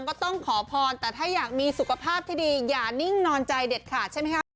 คนที่จะทำเนียนหรือเปล่า